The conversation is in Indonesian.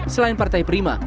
selain partai prima